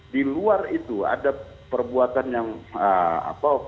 di luar itu ada perbuatan yang apa